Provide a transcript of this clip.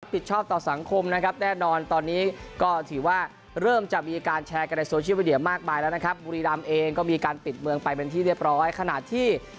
ผิดชอบต่อสังคมนะครับแด้นอนตอนนี้ก็ถือว่าเริ่มจะมีการแชร์กันใน